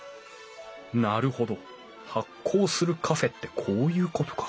なるほど発酵するカフェってこういうことか。